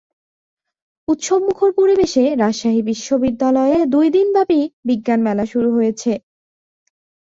উৎসবমুখর পরিবেশে রাজশাহী বিশ্ববিদ্যালয়ে দুই দিনব্যাপী বিজ্ঞান মেলা শুরু হয়েছে।